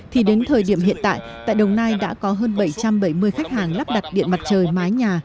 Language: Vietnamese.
thì đến thời điểm hiện tại tại đồng nai đã có hơn bảy trăm bảy mươi khách hàng lắp đặt điện mặt trời mái nhà